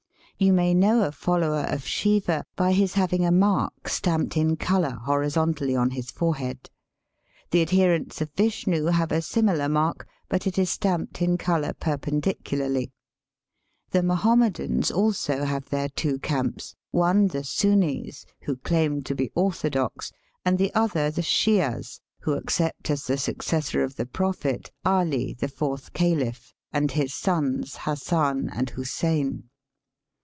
You may know a follower of Shiva by his having a mark stamped in colour horizontally on his forehead. The adherents of Vishnu have a similar mark, but it is stamped in colour perpendicularly. The Ma hommedans also have their two camps, one the Sconces, who claim to be orthodox, and the other the Sheeahs, who accept as the successor of the Prophet Ali the fourth Caliph, and his sons Hassan and Hoosein.